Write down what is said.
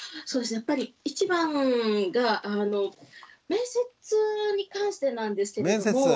やっぱり一番が面接に関してなんですけれども。